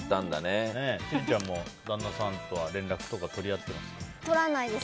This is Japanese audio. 千里ちゃんも、旦那さんとは連絡とか取り合ってます？